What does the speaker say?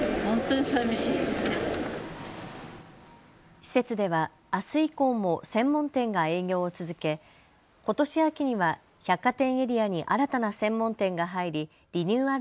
施設ではあす以降も専門店が営業を続けことし秋には百貨店エリアに新たな専門店が入りリニューアル